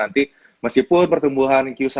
nanti meskipun pertumbuhan q satu